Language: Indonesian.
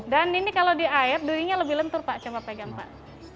dan ini kalau di air durinya lebih lentur pak coba pegang pak